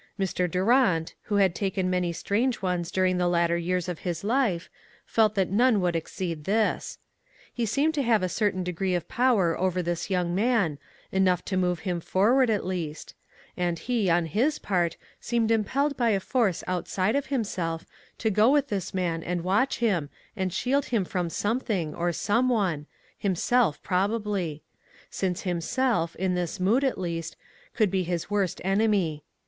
Mr. Durant, who 360 ONE COMMONPLACE DAY. had taken many strange ones during the latter years of his life, felt that none would exceed this. He seemed to have a certain degree of power over this young man, enough to move him forward at least; and he, on his part, seemed impelled by a force outside of himself, to go with this man and watch him, and shield him from something, or some one, himself probably ; since himself, in this mood, at least, could be his worst enemy.